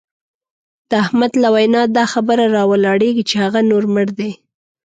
د احمد له وینا دا خبره را ولاړېږي چې هغه نور مړ دی.